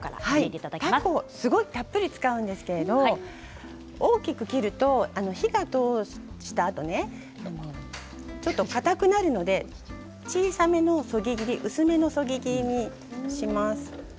たこをたっぷり使うんですけど大きく切ると、火を通したあとちょっとかたくなるので小さめのそぎ切り薄めのそぎ切りにします。